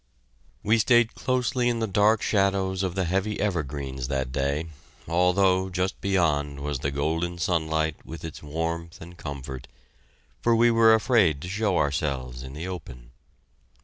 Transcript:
We stayed closely in the dark shadows of the heavy evergreens that day, although just beyond was the golden sunlight with its warmth and comfort, for we were afraid to show ourselves in the open.